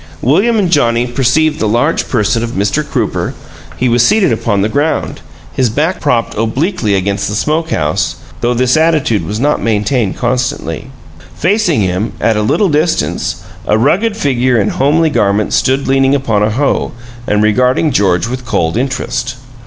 William and Johnnie perceived the large person of Mr. Crooper; he was seated upon the ground, his back propped obliquely against the smoke house, though this attitude was not maintained constantly. Facing him, at a little distance, a rugged figure in homely garments stood leaning upon a hoe and regarding George with a cold interest.